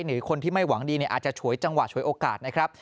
หรือคนที่ไม่หวังดีอาจจะฉวยจังหวะฉวยโอกาสนะครับ